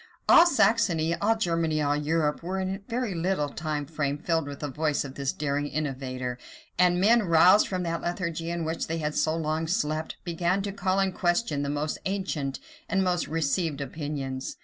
All Saxony, all Germany, all Europe, were in a very little time filled with the voice of this daring innovator; and men, roused from that lethargy in which they had so long slept, began to call in question the most ancient and most received opinions.